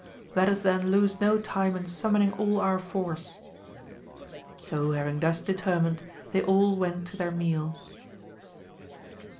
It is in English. let us then lose no time in summoning all our force. So having thus determined they all went to their meal.